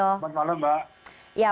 selamat malam mbak